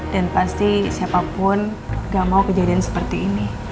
dan pasti siapapun gak mau kejadian seperti ini